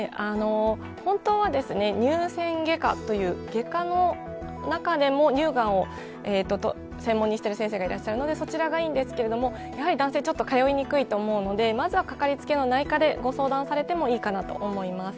本当は乳腺外科という外科の中でも乳がんを専門にしている先生がいらっしゃるので、そちらがいいんですけどやはり男性、通いにくいと思うのでまずはかかりつけの内科でご相談されてもいいかなと思います。